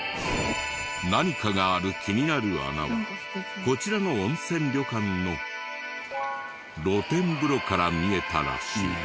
何かがある気になる穴はこちらの温泉旅館の露天風呂から見えたらしい。